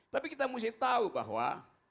tapi kita mesti tahu bahwa